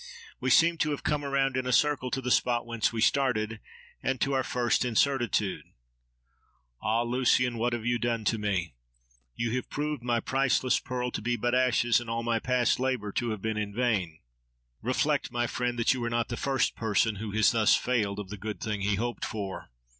We seem to have come round in a circle to the spot whence we started, and to our first incertitude. Ah! Lucian, what have you done to me? You have proved my priceless pearl to be but ashes, and all my past labour to have been in vain. —Reflect, my friend, that you are not the first person who has thus failed of the good thing he hoped for.